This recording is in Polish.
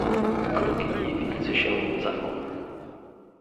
"Kruki i wilcy się nim zajmą."